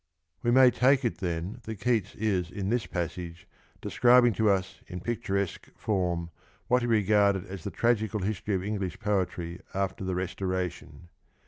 We may take it then that Keats is in this passage describing to us in picturesque form what he regarded as the tragical history of English poetry after the Restoration.